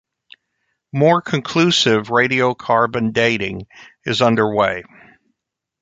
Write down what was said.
More conclusive radiocarbon dating is under way.